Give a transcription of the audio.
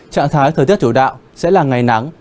trạng thái thời tiết chủ đạo sẽ là ngày nắng